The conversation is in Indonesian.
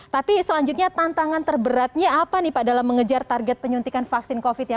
tapi selanjutnya tantangan terberatnya apa nih pak dalam mengejar target penyuntikan vaksin covid ya